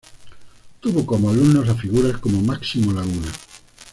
Tuvo como alumnos a figuras como Máximo Laguna.